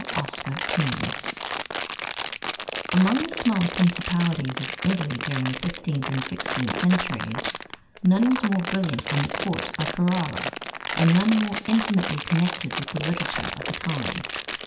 OSCAR KUHNS Among the smaller principalities of Italy during the fifteenth and sixteenth centuries, none was more brilliant than the court of Ferrara, and none more intimately connected with the literature of the times.